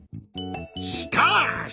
しかし！